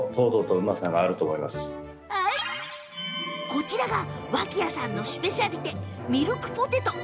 こちらが脇屋さんのスペシャリテ、ミルクポテト。